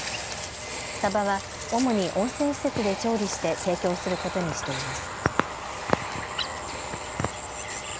サバは主に温泉施設で調理して提供することにしています。